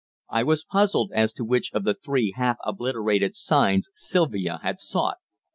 I was puzzled as to which of the three half obliterated signs Sylvia had sought.